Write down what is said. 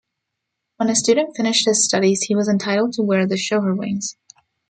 When a student finished his studies he was entitled to wear the Shoher wings.